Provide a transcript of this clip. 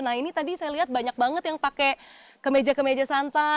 nah ini tadi saya lihat banyak banget yang pakai kemeja kemeja santai